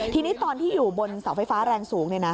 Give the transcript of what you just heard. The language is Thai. ทีนี้ตอนที่อยู่บนเสาไฟฟ้าแรงสูง